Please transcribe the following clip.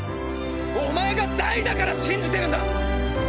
お前がダイだから信じてるんだ！